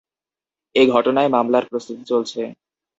এ ঘটনায় মামলার প্রস্তুতি চলছে।